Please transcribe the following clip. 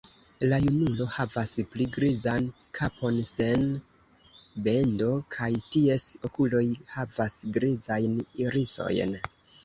La junulo havas pli grizan kapon sen bendo kaj ties okuloj havas grizajn irisojn.